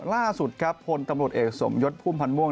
ล่าสุดพลตำรวจเอกสมยศภูมิพันธ์ม่วง